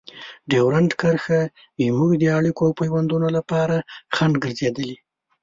ډیورنډ کرښه زموږ د اړیکو او پيوندونو لپاره خنډ ګرځېدلې.